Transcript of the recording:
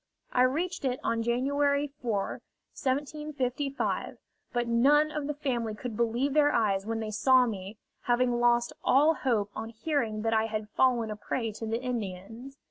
I reached it on January 4,1755; but none of the family could believe their eyes when they saw me, having lost all hope on hearing that I had fallen a prey to the Indians.